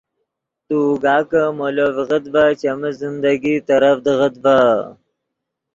تو اوگا کہ مولو ڤیغت ڤے چیمی زندگی ترڤدیغت ڤے